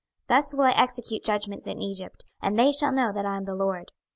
26:030:019 Thus will I execute judgments in Egypt: and they shall know that I am the LORD.